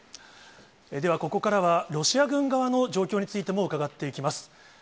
では、ここからはロシア軍側の状況についても伺っていきます。